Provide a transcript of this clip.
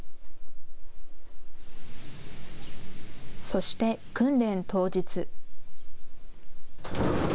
そして訓練当日。